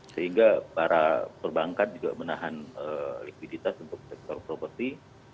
sehingga para perbankan juga menahan likuiditas untuk sektor properti